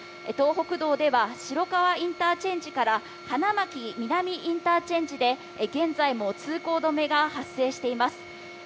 東北道では白川インターチェンジから花巻南インターチェンジで現在も通行止めが発生しています。